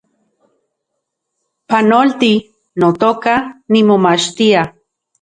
Panolti, notoka, nimomachtia